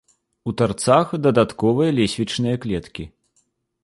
У тарцах дадатковыя лесвічныя клеткі.